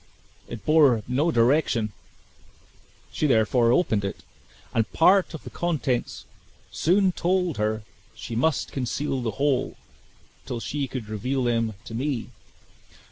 It bore no direction; she therefore opened it, and part of the contents soon told her she must conceal the whole, till she could reveal them to me.